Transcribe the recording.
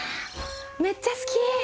めっちゃ好き。